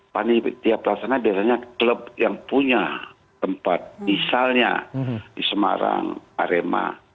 panitia pelaksana biasanya klub yang punya tempat misalnya di semarang arema